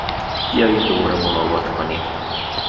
بیایید دوباره ملاقات کنیم!